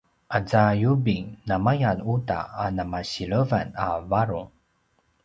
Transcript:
aza yubing namaya uta a namasilevan a varung